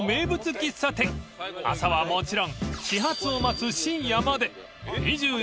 ［朝はもちろん始発を待つ深夜まで］